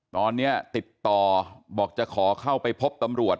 ตอนนี้ติดต่อบอกจะขอเข้าไปพบตำรวจ